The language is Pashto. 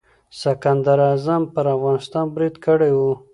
سکندر اعظم پر افغانستان برید کړی و.